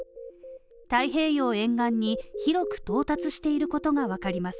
太平洋沿岸に広く到達していることがわかります。